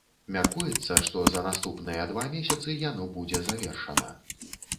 Мяркуецца, што за наступныя два месяцы яно будзе завершана.